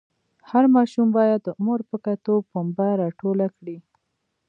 هر ماشوم باید د عمر په کتو پنبه راټوله کړي.